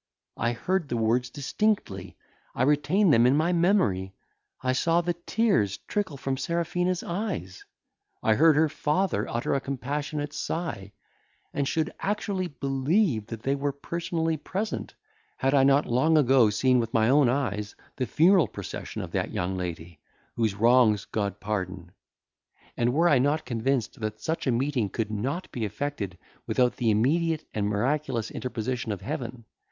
I heard the words distinctly. I retain them in my memory. I saw the tears trickle from Serafina's eyes. I heard her father utter a compassionate sigh; and should actually believe that they were personally present, had not I long ago seen with my own eyes the funeral procession of that young lady, whose wrongs God pardon; and were I not convinced that such a meeting could not be effected without the immediate and miraculous interposition of Heaven.